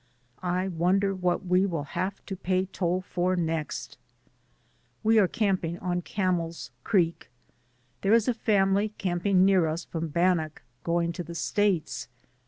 I wonder what we will have to pay toll for next ? We are camping on Camel's Creek. There is a family camping near us from Bannack, going to the States.